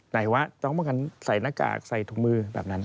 ไหนวะต้องป้องกันใส่หน้ากากใส่ถุงมือแบบนั้น